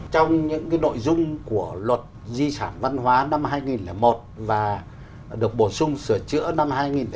trong những cái nội dung của luật di sản văn hóa năm hai nghìn một và được bổ sung sửa chữa năm hai nghìn chín